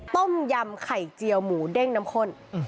ต้มยำไข่เจียวหมูเด้งน้ำข้น